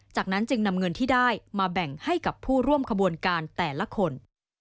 จากนั้นจึงนำเงินที่ได้มาแบ่งให้กับผู้ร่วมขบวนการแต่ละคน